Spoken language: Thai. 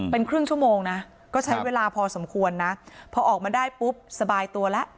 เป็นครึ่งชั่วโมงนะก็ใช้เวลาพอสมควรนะพอออกมาได้ปุ๊บสบายตัวแล้ว